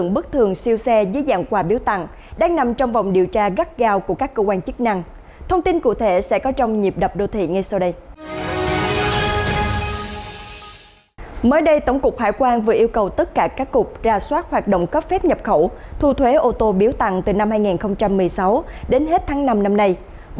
bộ công an cũng đang làm việc với tổng cục hải quan về vấn đề này